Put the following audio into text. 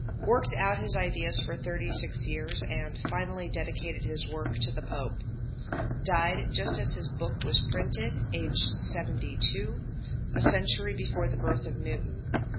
Worked out his ideas for 36 years, and finally dedicated his work to the Pope. Died just as his book was printed, aged 72, a century before the birth of Newton.